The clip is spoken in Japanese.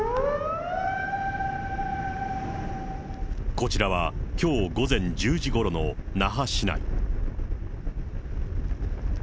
こちらはきょう午前１０時ごろの那覇市内。